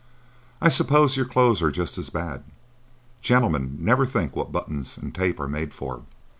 "I s'pose your clothes are just as bad. Gentlemen never think what buttons and tape are made for."